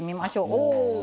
お！